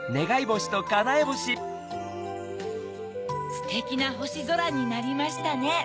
ステキなほしぞらになりましたね。